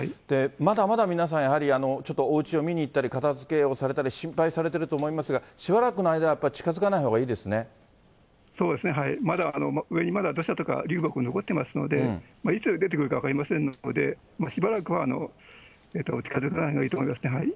まだまだ皆さんやはりちょっとおうちを見に行ったり、片づけをされたり、心配されていると思いますが、しばらくの間はやっぱそうですね、まだ上にまだ土砂とか流木残ってますので、いつ出てくるか分かりませんので、しばらくは近づかないほうがいいと思いますね。